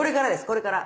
これから。